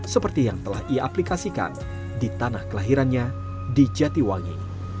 seperti yang telah iaplikasikan di tanah kelahirannya di jatiwangi